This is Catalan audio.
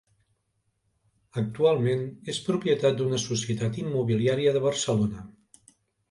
Actualment és propietat d'una societat immobiliària de Barcelona.